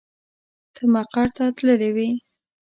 ته مقر ته تللې وې.